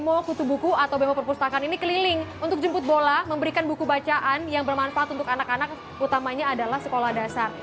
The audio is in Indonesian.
semua kutubuku atau bemo perpustakaan ini keliling untuk jemput bola memberikan buku bacaan yang bermanfaat untuk anak anak utamanya adalah sekolah dasar